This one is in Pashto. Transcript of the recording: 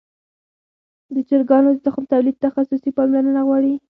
د چرګانو د تخم تولید تخصصي پاملرنه غواړي.